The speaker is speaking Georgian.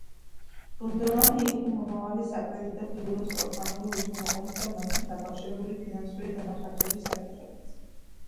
ბუნდოვანი იყო მომავალი საკრედიტო ბიუროს პროგრამული უზრუნველყოფის და მასთან დაკავშირებული ფინანსური დანახარჯების საკითხებიც.